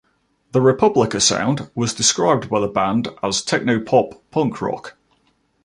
The Republica sound was described by the band as "technopop punk rock".